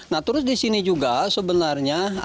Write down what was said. nah terus di sini juga sebenarnya